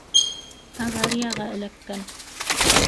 Аварияға эләккән.